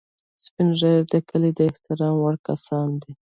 سپین ږیری د کلي د احترام وړ کسان دي